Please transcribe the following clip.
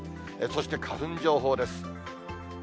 そして花粉情報です。